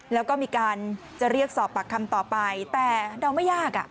แล้วก็มีการจะเรียกสอบปากคำต่อไปแต่เดาไม่ยากอ่ะ